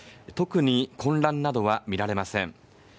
特に混乱などは見られません。